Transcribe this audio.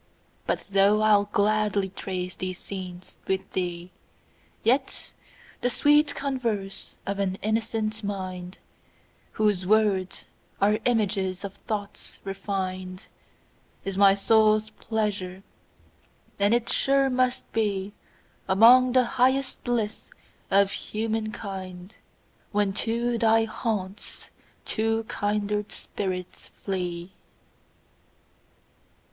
But though I'll gladly trace these scenes with thee, Yet the sweet converse of an innocent mind, Whose words are images of thoughts refin'd, Is my soul's pleasure; and it sure must beAlmost the highest bliss of human kind, When to thy haunts two kindred spirits flee.